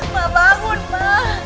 ma bangun ma